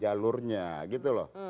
jalurnya gitu loh